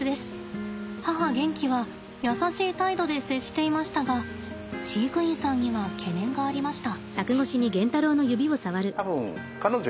母ゲンキは優しい態度で接していましたが飼育員さんには懸念がありました。